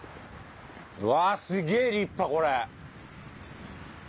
うわすげえ立派これ！